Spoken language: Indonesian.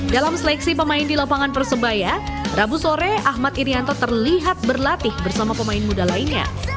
dalam seleksi pemain di lapangan persebaya rabu sore ahmad irianto terlihat berlatih bersama pemain muda lainnya